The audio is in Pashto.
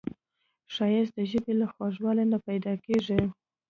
ښایست د ژبې له خوږوالي نه پیداکیږي